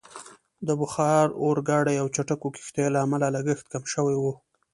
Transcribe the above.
د بخار اورګاډي او چټکو کښتیو له امله لګښت کم شوی وو.